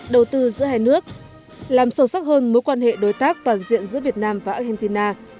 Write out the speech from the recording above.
đầu tư giữa hai nước làm sâu sắc hơn mối quan hệ đối tác toàn diện giữa việt nam và argentina